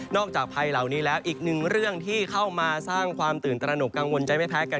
จากภัยเหล่านี้แล้วอีกหนึ่งเรื่องที่เข้ามาสร้างความตื่นตระหนกกังวลใจไม่แพ้กัน